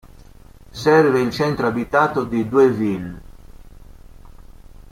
Serve il centro abitato di Dueville.